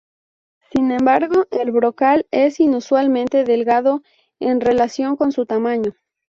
Sin embargo, el brocal es inusualmente delgado en relación con su tamaño.